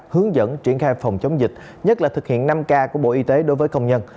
hướng dẫn triển khai phòng chống dịch nhất là thực hiện năm k của bộ y tế đối với công nhân